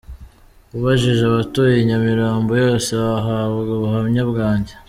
ubajije abatuye i Nyamirambo yose wahabwa ubuhamya bwanjye.